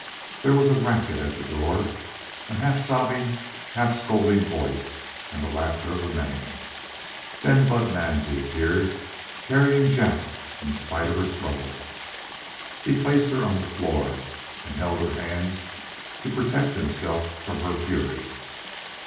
There was a racket at the door a half sobbing, half scolding voice, and the laughter of a man; then Bud Mansie appeared carrying Jack in spite of her struggles. He placed her on the floor and held her hands to protect himself from her fury.